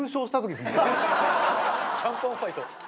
シャンパンファイト。